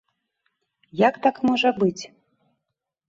Як так можа быць?